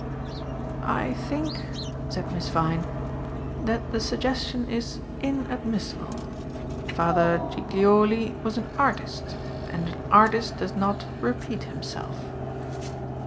"I think," said Miss Vyne, "that the suggestion is inadmissable. Father Giglioli was an artist, and an artist does not repeat himself."